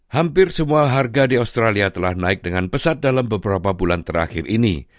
hampir semua harga di australia telah naik dengan pesat dalam beberapa bulan terakhir ini